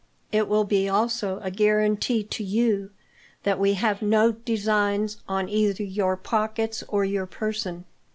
It will be also a guarantee to you that we have no designs on either your pockets or your person."